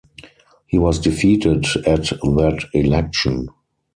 He was defeated at that election.